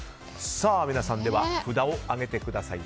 皆さん、札を上げてください。